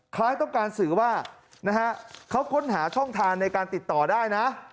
คล้ายต้องการสื่อว่านะฮะเขาค้นหาช่องทางในการติดต่อได้นะ